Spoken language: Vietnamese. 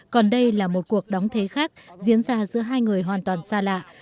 còn đây là một cuộc đóng thế khác diễn ra giữa hai người hoàn toàn xa lạ